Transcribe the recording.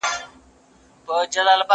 زه به اوږده موده کتابونه ليکلي وم!!